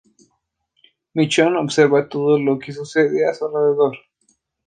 Michonne observa todo lo que sucede a su alrededor.